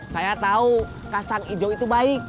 saya tahu kacang hijau itu baik